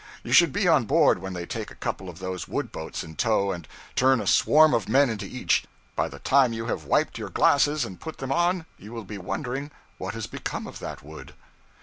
You should be on board when they take a couple of those wood boats in tow and turn a swarm of men into each; by the time you have wiped your glasses and put them on, you will be wondering what has become of that wood.